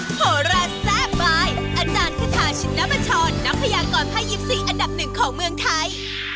อาจารย์ขึ้นถ่ายชิ้นน้ำบัตรชอนนักพยากรภายยิปซีอันดับหนึ่งของเมืองไทย